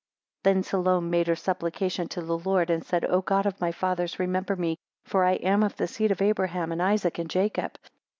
22 Then Salome made her supplication to the Lord, and said, O God of my Fathers, remember me, for I am of the seed of Abraham, and Isaac, and Jacob.